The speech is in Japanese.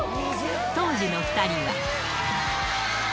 当時の２人は。